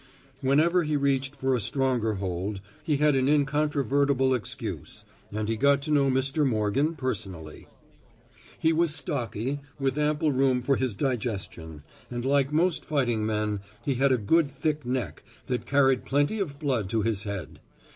Whenever he reached for a stronger hold, he had an incontrovertible excuse, and he got to know Mr. Morgan personally. He was stocky, with ample room for his digestion, and like most fighting men, he had a good thick neck that carried plenty of blood to his head.